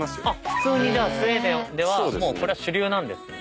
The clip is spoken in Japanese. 普通にスウェーデンではもうこれは主流なんですね。